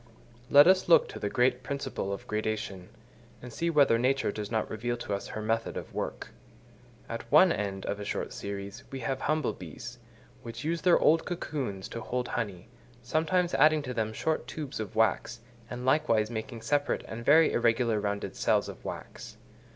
Let us look to the great principle of gradation, and see whether Nature does not reveal to us her method of work. At one end of a short series we have humble bees, which use their old cocoons to hold honey, sometimes adding to them short tubes of wax, and likewise making separate and very irregular rounded cells of wax.